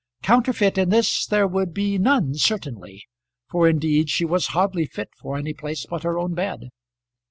Counterfeit in this there would be none certainly, for indeed she was hardly fit for any place but her own bed.